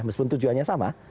meskipun tujuannya sama